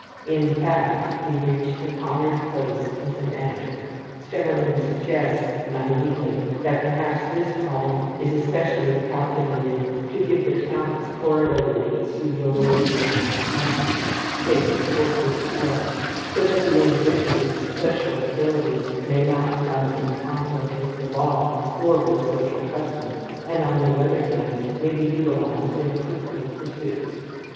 In fact, he reached an honored place as an editor. Stemmermann suggests, naively, that perhaps this calling is especially calculated to give the talents correlated with pseudologia phantastica space for free play, so that the individual's special abilities may not come in conflict with the law, or with social customs, and, on the other hand, may be utilized in fruitful pursuits.